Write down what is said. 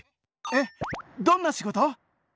えっどんな仕事？